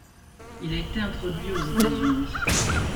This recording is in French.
Il a été introduit aux États-Unis.